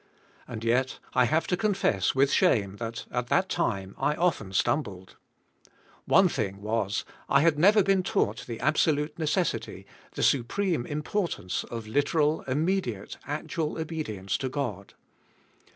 And yet I have to confess with shame that, at that time, I often stumbled. One thing" was, I had never been taught the absolute necessity, the supreme im portance of literal, immediate, actual obedience to God.